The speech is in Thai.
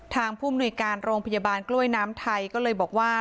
ทางพกรุงพยาบาลกล้วยน้ำไทยก็เลยบอกว่า